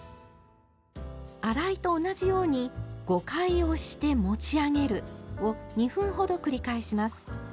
洗いと同じように「５回押して持ち上げる」を２分ほど繰り返します。